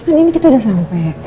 kan ini kita udah sampai